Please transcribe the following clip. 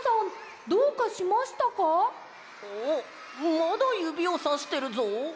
まだゆびをさしてるぞ！